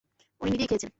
উনি নিজেই খেয়েছেন?